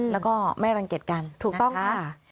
แล้วก็ไม่รังเกียจกันถูกต้องค่ะ